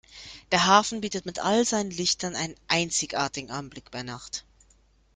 Der Hafen bietet mit all seinen Lichtern einen einzigartigen Anblick bei Nacht.